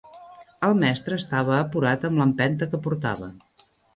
El mestre estava apurat amb l'empenta que portava